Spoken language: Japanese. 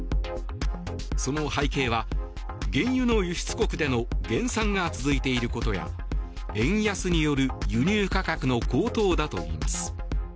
その背景は、原油の輸出国での減産が続いていることや円安による輸入価格の高騰だといいます。